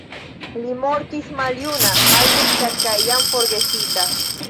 Li mortis maljuna, malriĉa kaj jam forgesita.